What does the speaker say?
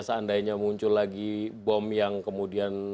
seandainya muncul lagi bom yang kemudian